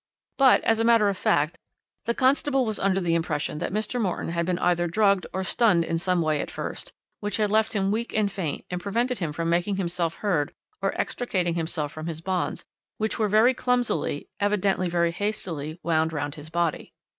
But, as a matter of fact, the constable was under the impression that Mr. Morton had been either drugged or stunned in some way at first, which had left him weak and faint and prevented him from making himself heard or extricating himself from his bonds, which were very clumsily, evidently very hastily, wound round his body.